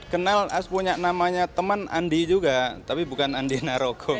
saya kenal punya namanya teman andi juga tapi bukan andi na rogong